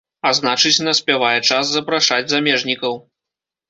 А значыць, наспявае час запрашаць замежнікаў.